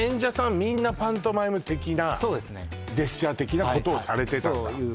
みんなパントマイム的なジェスチャー的なことをされてたんだ